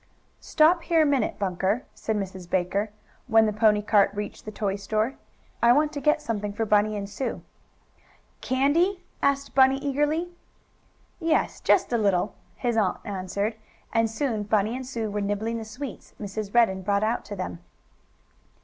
"Stop here a minute, Bunker," said Miss Baker, when the pony cart reached the toy store. "I want to get something for Bunny and Sue." "Candy?" asked Bunny eagerly. "Yes, just a little," his aunt answered, and soon Bunny and Sue were nibbling the sweets Mrs. Redden brought out to them.